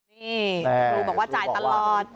นี่ครูบอกว่าจ่ายตลอด